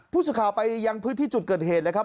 ผู้สื่อข่าวไปยังพื้นที่จุดเกิดเหตุนะครับ